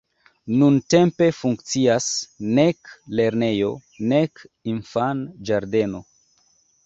Nuntempe funkcias nek lernejo, nek infanĝardeno.